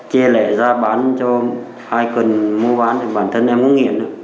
chê lệ ra bán cho ai cần mua bán thì bản thân em cũng nghiện